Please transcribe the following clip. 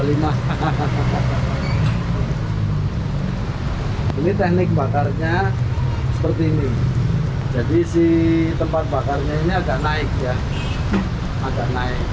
ini teknik bakarnya seperti ini jadi si tempat bakarnya ini agak naik ya agak naik